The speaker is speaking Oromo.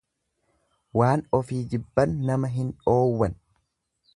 Waan ofii jibban nama hin dhoowwatan.